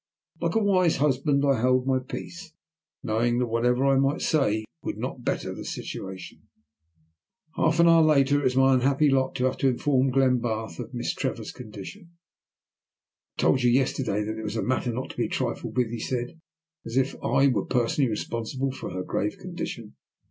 Like a wise husband I held my peace, knowing that whatever I might say would not better the situation. Half an hour later it was my unhappy lot to have to inform Glenbarth of Miss Trevor's condition. "I told you yesterday that it was a matter not to be trifled with," he said, as if I were personally responsible for her grave condition.